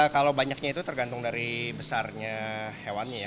kalau banyaknya itu tergantung dari besarnya hewannya ya